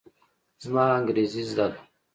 زما انګرېزي زده ده.